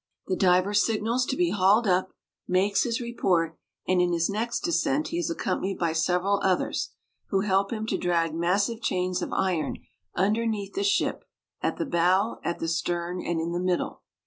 The diver signals to be hauled up, makes his report, and in his next descent he is accompanied by several others, who help him to drag massive chains of iron underneath the ship, at the bow, at the stern, and in the middle.